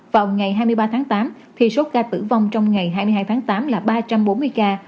vào ngày hai mươi ba tháng tám thì số ca tử vong trong ngày hai mươi hai tháng tám là ba trăm bốn mươi ca